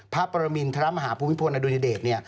พระปรมิณมิตรรัฐมหาภูมิพรดุรัติดาเดว